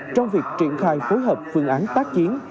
trong việc triển khai phối hợp phương án tác chiến